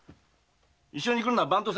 一緒に来るのは番頭さん